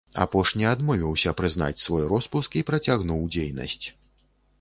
Апошні адмовіўся прызнаць свой роспуск і працягнуў дзейнасць.